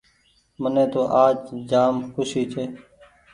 مني تو آج جآم کوسي ڇي۔